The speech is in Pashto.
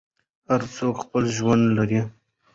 هر څوک خپل ژوند لري.